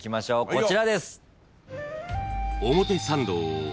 こちらです。